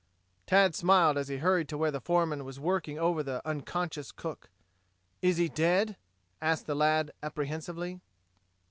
Tad smiled as he hurried to where the foreman was working over the unconscious cook. "Is he dead?" asked the lad, apprehensively.